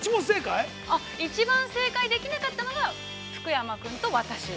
◆一番正解できなかったのが福山君と私。